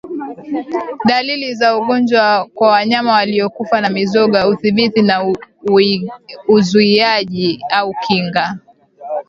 ugonjwa wa vinundu vya ngozi na ugonjwa wa miguu